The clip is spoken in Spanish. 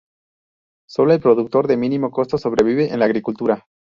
Sólo el productor de mínimo costo sobrevive en la agricultura.